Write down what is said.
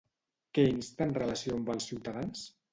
Què insta en relació amb els ciutadans?